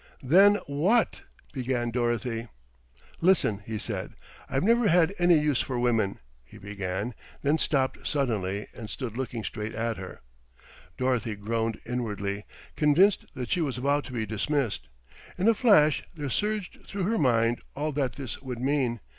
"Then what " began Dorothy. "Listen," he said. "I've never had any use for women," he began, then stopped suddenly and stood looking straight at her. Dorothy groaned inwardly, convinced that she was about to be dismissed. In a flash there surged through her mind all that this would mean.